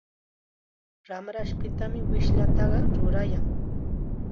Ramrashpitam wishllataqa rurayan.